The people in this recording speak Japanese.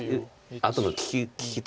あとの利きとか。